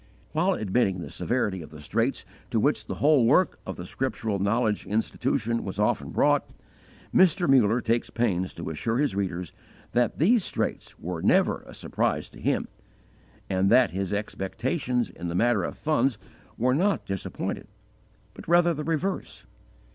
While admitting the severity of the straits to which the whole work of the Scriptural Knowledge Institution was often brought, Mr. Muller takes pains to assure his readers that these straits were never a surprise to him, and that his expectations in the matter of funds were not disappointed, but rather the reverse.